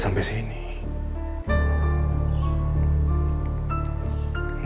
saya mau pergi sekarang